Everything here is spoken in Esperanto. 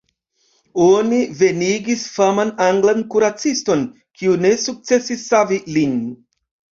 Oni venigis faman anglan kuraciston, kiu ne sukcesis savi lin.